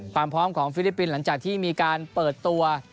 ความพร้อมของฟิลิปปินส์หลังจากที่มีการเปิดตัว